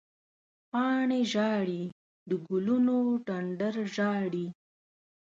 پاڼې ژاړې، د ګلونو ډنډر ژاړې